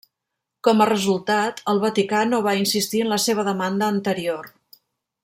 Com a resultat, el Vaticà no va insistir en la seva demanda anterior.